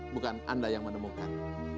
bukan anda yang menemukan